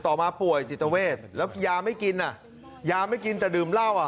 ต่อมาป่วยจิตเวศแล้วยาไม่กินยาไม่กินแต่ดื่มเล้า